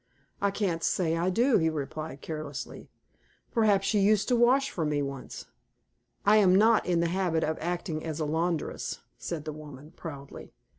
"I can't say I do," he replied, carelessly. "Perhaps you used to wash for me once." "I am not in the habit of acting as laundress," said the woman, proudly.